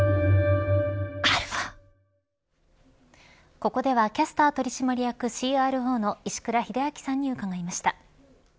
ここではキャスター取締役ＣＲＯの石倉秀明さんに伺いました。